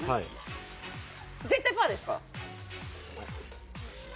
絶対パーですか？